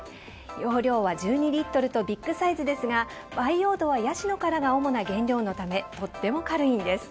容量は１２リットルとビッグサイズですが培養土はヤシの殻が主な原料のためとても軽いんです。